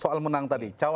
soal menang tadi